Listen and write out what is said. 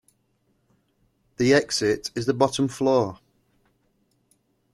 The exit is the bottom floor.